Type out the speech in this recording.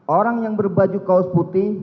orang yang berbaju kaos putih